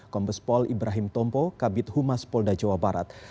kompos pol ibrahim tompo kabit humas polda jawa barat